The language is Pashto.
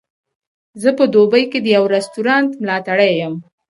زه په دوبۍ کې د یوه رستورانت ملاتړی یم.